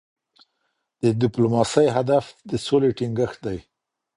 د ډيپلوماسۍ هدف د سولې ټینګښت دی.